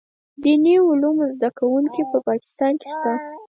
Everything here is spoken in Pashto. دیني علومو زده کوونکي په پاکستان کې شته.